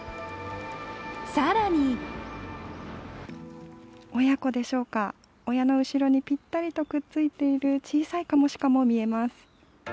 更に親子でしょうか、親の後ろにぴったりとくっついている小さいカモシカも見えます。